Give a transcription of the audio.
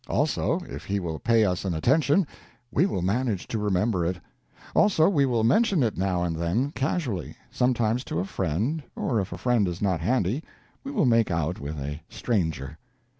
Also, if he will pay us an attention we will manage to remember it. Also, we will mention it now and then, casually; sometimes to a friend, or if a friend is not handy, we will make out with a stranger.